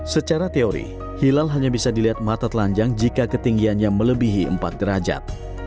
secara teori hilal hanya bisa dilihat mata telanjang jika ketinggiannya melebihi empat derajat